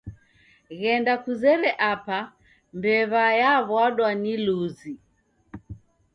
Ghenda kuzere Apa mbew'a yawa'dwa ni luzi